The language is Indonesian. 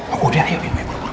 aku dia ya bener